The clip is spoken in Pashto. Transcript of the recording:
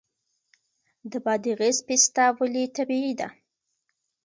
د بادغیس پسته ولې طبیعي ده؟